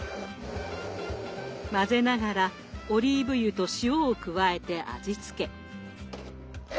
混ぜながらオリーブ油と塩を加えて味付け。